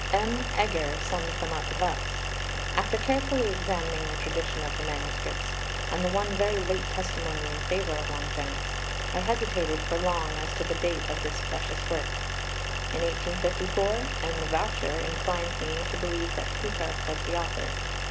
M. Egger sums them up thus: "After carefully examining the tradition of the MSS., and the one very late testimony in favour of Longinus, I hesitated for long as to the date of this precious work. In 1854 M. Vaucher inclined me to believe that Plutarch was the author.